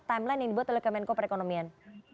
timeline yang dibuat oleh kemenko perekonomian